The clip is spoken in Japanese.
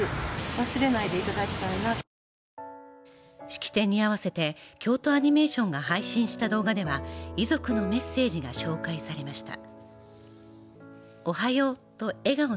式典に合わせて京都アニメーションが配信した動画では遺族のメッセージが紹介されました。